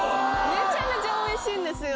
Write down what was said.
めちゃめちゃおいしいんですよ。